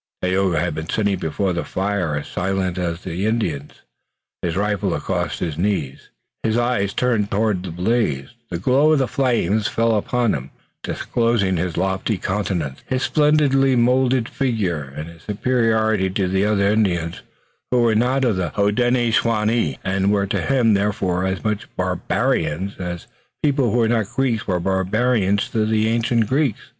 Tayoga had been sitting before the fire, as silent as the Canadian Indians, his rifle across his knees, his eyes turned toward the blaze. The glow of the flames fell upon him, disclosing his lofty countenance, his splendidly molded figure, and his superiority to the other Indians, who were not of the Hodenosaunee and who to him were, therefore, as much barbarians as all people who were not Greeks were barbarians to the ancient Greeks.